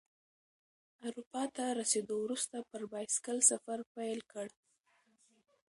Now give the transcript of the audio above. اروپا ته رسیدو وروسته پر بایسکل سفر پیل کړ.